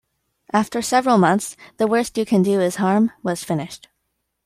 After several months, "The Worst You Can Do Is Harm" was finished.